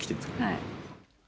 はい。